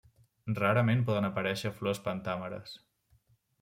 Rarament poden aparèixer flors pentàmeres.